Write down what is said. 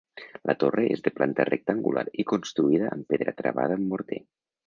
La torre és de planta rectangular i construïda amb pedra travada amb morter.